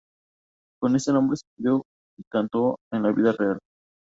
Con este nombre escribió y canto en la vida real.